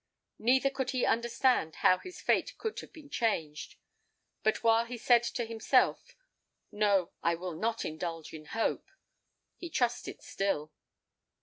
Neither could he understand how his fate could have been changed; but while he said to himself, "No, I will not indulge in hope," he trusted still.